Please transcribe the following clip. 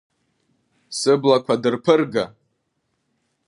Сыблақәа дырԥырга!